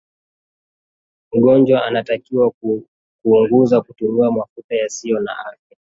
mgonjwa anatakiwa kunguza kutumia mafuta yasiyo na afya